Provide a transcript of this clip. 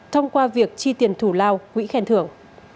thông qua việc chi tiền thủ lao quỹ khen thưởng